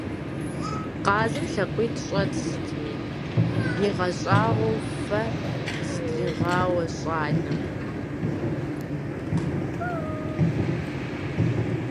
- Къазым лъакъуитӀ щӀэт сытми? - игъэщӀагъуэу фэ зытрегъауэ щӏалэм.